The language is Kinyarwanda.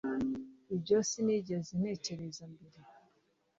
ibyo sinigeze ntekereza mbere